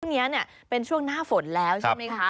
ช่วงนี้เนี่ยเป็นช่วงหน้าฝนแล้วใช่ไหมคะ